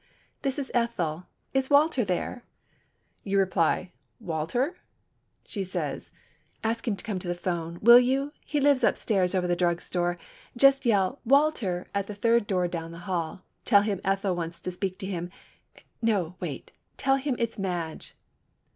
This is Ethel. Is Walter there?" You reply, "Walter?" She says, "Ask him to come to the phone, will you? He lives up stairs over the drug store. Just yell 'Walter' at the third door down the hall. Tell him Ethyl wants to speak to him—no, wait—tell him it's Madge."